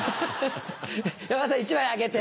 山田さん１枚あげて。